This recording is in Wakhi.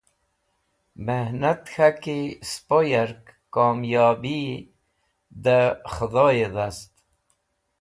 Mehnat K̃haki spo yark, Komyobiyi de Khudhoye Dhast